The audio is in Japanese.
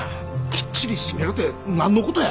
きっちり締めるて何のことや。